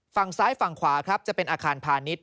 ฝั่งซ้ายฝั่งขวาครับจะเป็นอาคารพาณิชย